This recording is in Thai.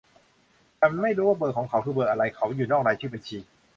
ฉันไม้รู้ว่าเบอร์ของเขาว่าคือเบอร์อะไร เขาอยู่นอกรายชื่อบัญชี